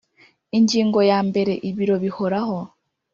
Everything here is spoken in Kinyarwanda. Ingingo ya mbere Ibiro Bihoraho